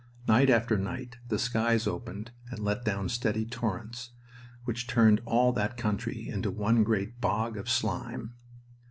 Night after night the skies opened and let down steady torrents, which turned all that country into one great bog of slime.